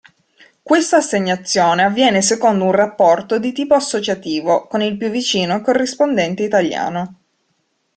Questa assegnazione avviene secondo un rapporto di tipo associativo con il più vicino corrispondente italiano.